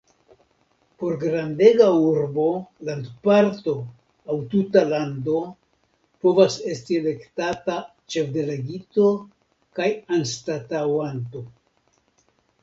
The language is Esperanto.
Por grandega urbo, landparto aŭ tuta lando povas esti elektata Ĉefdelegito kaj anstataŭanto.